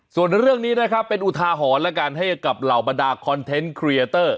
ส่วนเรื่องนี้นะครับเป็นอุทาหรณ์แล้วกันให้กับเหล่าบรรดาคอนเทนต์เคลียร์เตอร์